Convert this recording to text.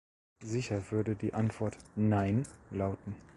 Sicher würde die Antwort "Nein" lauten.